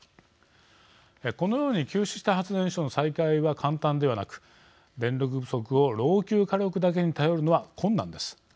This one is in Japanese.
このように休止した発電所の再開は簡単ではなく電力不足を老朽火力だけに頼るのは困難です。